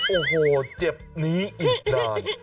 โอ้โหเจ็บหนีอีกนาน